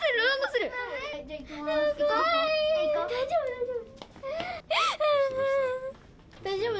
大丈夫、大丈夫。